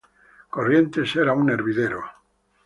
Corrientes era un hervidero.